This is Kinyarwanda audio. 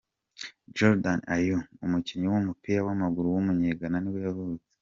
Jordan Ayew, umukinnyi w’umupira w’amaguru w’umunya-Ghana nibwo yavutse.